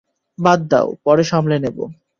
বাদ দাও, পরে সামলে নেবো।